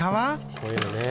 こういうのね。